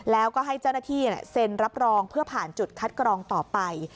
แล้วก็ให้เจ้าหน้าที่เซ็นรับรองเพื่อผ่านจุดคัดกรองต่อไป